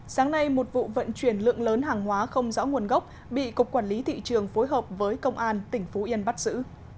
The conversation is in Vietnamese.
sáng nay một vụ vận chuyển lượng lớn hàng hóa không rõ nguồn gốc bị cục quản lý thị trường phối hợp với công an tỉnh phú yên bắt giữ